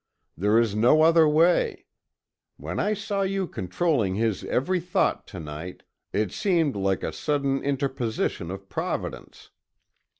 There is no other way. When I saw you controlling his every thought to night, it seemed like a sudden interposition of Providence.